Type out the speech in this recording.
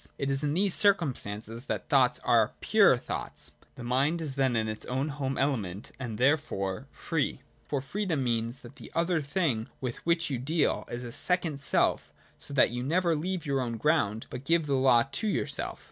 It is in these circumstances that thoughts are pure thoughts. The mind is then in its own home ele ment and therefore free : for freedom means that the other thing with which you deal is a second self— so that you never leave your own ground but give the law to your self.